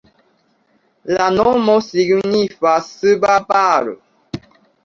La nomo signifas suba Bar.